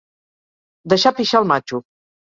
Deixar pixar el matxo.